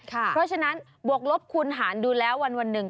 เพราะฉะนั้นบวกลบคูณหารดูแล้ววันหนึ่ง